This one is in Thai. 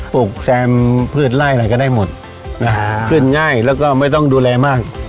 ลูกแซมพืชไล่อะไรก็ได้หมดนะฮะขึ้นง่ายแล้วก็ไม่ต้องดูแลมาก